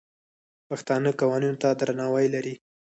پښتانه قوانینو ته درناوی لري.